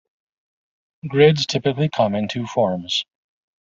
Grids typically come in two forms.